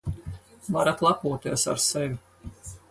Varat lepoties ar sevi.